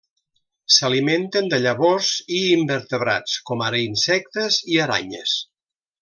S'alimenten de llavors i invertebrats, com ara insectes i aranyes.